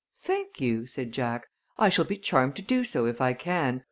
"Thank you," said Jack. "I shall be charmed to do so if I can.